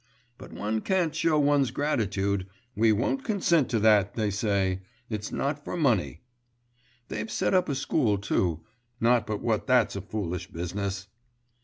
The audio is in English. But one can't show one's gratitude, we won't consent to that, they say; it's not for money. They've set up a school too.... Not but what that's a foolish business!